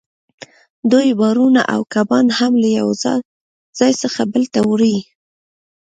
دوی بارونه او کبان هم له یو ځای څخه بل ته وړي